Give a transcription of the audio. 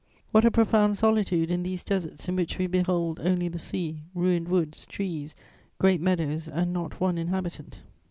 "What a profound solitude in these deserts in which we behold only the sea, ruined woods, trees, great meadows, and not one inhabitant!